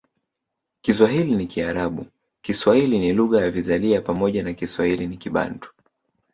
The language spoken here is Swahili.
Kiswahili ni Kiarabu Kiswahili ni lugha ya vizalia pamoja na Kiswahili ni Kibantu